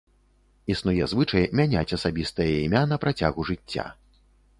Існуе звычай мяняць асабістае імя на працягу жыцця.